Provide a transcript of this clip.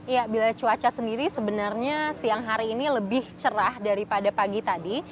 ya bila cuaca sendiri sebenarnya siang hari ini lebih cerah daripada pagi tadi